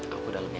aku dalem ya